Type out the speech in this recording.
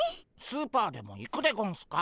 スーパーでも行くでゴンスか？